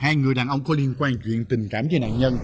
hai người đàn ông có liên quan chuyện tình cảm cho nạn nhân